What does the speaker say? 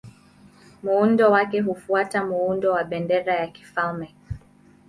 Muundo wake hufuata muundo wa bendera ya kifalme.